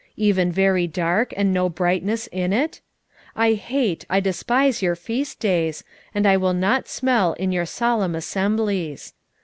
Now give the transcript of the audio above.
even very dark, and no brightness in it? 5:21 I hate, I despise your feast days, and I will not smell in your solemn assemblies.